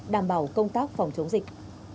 đảm bảo công tác phòng chống dịch